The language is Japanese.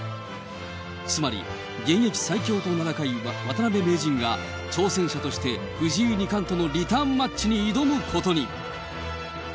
つまり、現役最強と名高い渡辺名人が、挑戦者として藤井二冠とのリターンマッチに挑むことに。